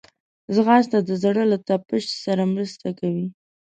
ځغاسته د زړه له تپش سره مرسته کوي